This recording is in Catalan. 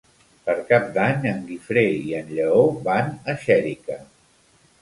Per Cap d'Any en Guifré i en Lleó van a Xèrica.